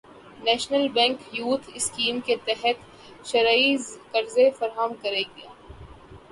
national bank youth scheme کے تحت شرعی قرضے فراہم کرے گا